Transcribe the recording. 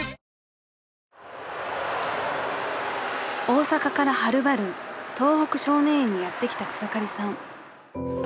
［大阪からはるばる東北少年院にやって来た草刈さん］